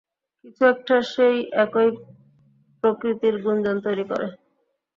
কিছু একটা সেই একই প্রকৃতির গুঞ্জন তৈরী করে।